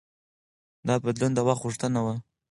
دا بدلون د وخت غوښتنه وه.